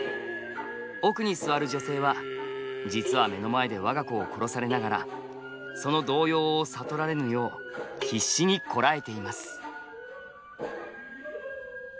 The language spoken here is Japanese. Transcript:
奥に座る女性は実は目の前で我が子を殺されながらその動揺を悟られぬよう必死にこらえています。